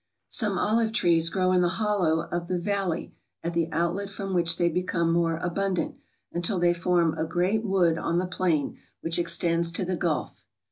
Some olive trees grow in the hollow of the va^l y at the outlet from which they become more abundant, until they form a great wood on the plain, vdiich extends to the gulf.